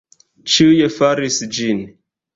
Ĉiuj faris ĝin.